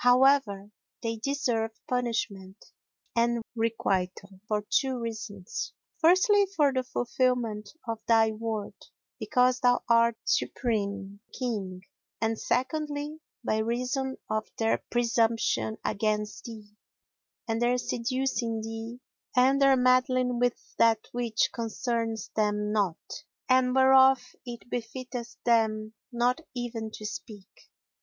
However, they deserve punishment and requital for two reasons: firstly for the fulfilment of thy word, because thou art the supreme King; and secondly, by reason of their presumption against thee and their seducing thee and their meddling with that which concerneth them not and whereof it befitteth them not even to speak.